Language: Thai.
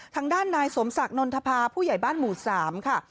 ทางด้านนายสมศักดิ์นนทภาผู้ใหญ่บ้านหมู่๓ค่ะ